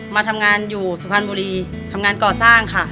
มาทำงานอยู่สุพรรณบุรีทำงานก่อสร้างค่ะ